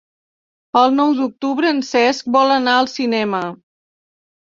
El nou d'octubre en Cesc vol anar al cinema.